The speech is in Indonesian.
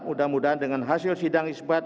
mudah mudahan dengan hasil sidang isbat